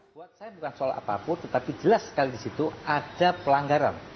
buat saya bukan soal apapun tetapi jelas sekali di situ ada pelanggaran